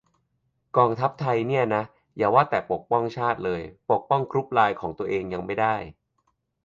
"กองทัพไทยเนี่ยนะ อย่าว่าแต่ปกป้องชาติเลย ปกป้องกรุ๊ปไลน์ของตัวเองยังไม่ได้"